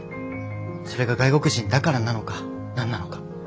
それが外国人だからなのか何なのか？